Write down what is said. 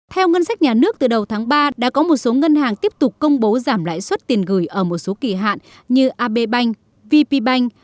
theo ngân sách nhà nước từ đầu tháng ba đã có một số ngân hàng tiếp tục công bố giảm lãi suất tiền gửi ở một số kỳ hạn như ab bank vp bank